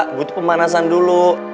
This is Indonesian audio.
gua butuh pemanasan dulu